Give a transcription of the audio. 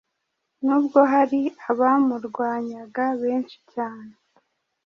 Nubwo hari “abamurwanyaga benshi cyane,